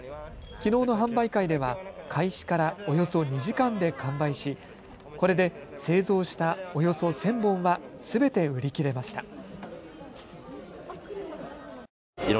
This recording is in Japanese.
きのうの販売会では開始からおよそ２時間で完売しこれで製造したおよそ１０００本はすべて売り切れました。